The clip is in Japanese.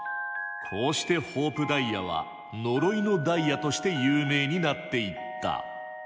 こうしてホープダイヤは「呪いのダイヤ」として有名になっていった。